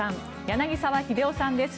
柳澤秀夫さんです。